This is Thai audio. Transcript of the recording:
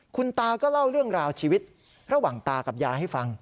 คุณตาก็เล่าเรื่องราวชีวิตระหว่างตากับยายให้ฟัง